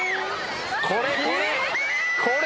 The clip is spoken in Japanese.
これこれ！